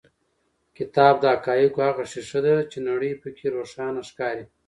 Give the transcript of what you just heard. کتاب د حقایقو هغه ښیښه ده چې نړۍ په کې روښانه ښکاري.